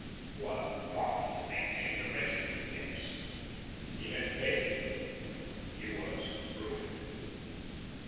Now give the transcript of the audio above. What a folly to maintain the wretched pretence! He had failed. He was ruined.